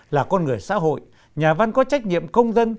là con người xã hội nhà văn có trách nhiệm công dân